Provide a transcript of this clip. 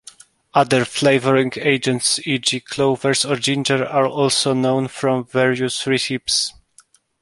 Other flavouring agents, e.g., cloves or ginger, are also known from various recipes.